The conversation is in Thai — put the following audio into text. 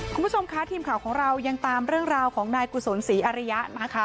คุณผู้ชมคะทีมข่าวของเรายังตามเรื่องราวของนายกุศลศรีอริยะนะคะ